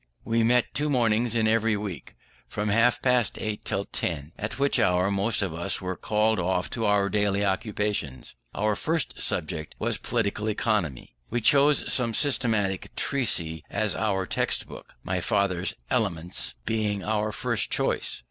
We met two mornings in every week, from half past eight till ten, at which hour most of us were called off to our daily occupations. Our first subject was Political Economy. We chose some systematic treatise as our text book; my father's Elements being our first choice.